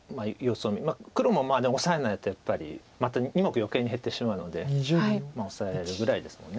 黒もでもオサえないとやっぱりまた２目余計に減ってしまうのでオサえるぐらいですもんね